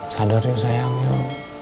sadar yuk sayang yuk